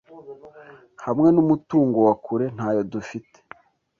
hamwe nu mutungo wa kure ntayo dufite: